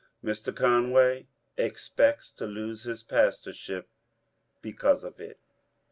Mr. Conway ex pects to lose his pastorship because of it.